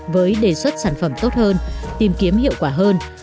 với đề xuất sản phẩm tốt hơn tìm kiếm hiệu quả hơn